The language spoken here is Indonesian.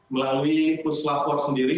melalui puslapor sendiri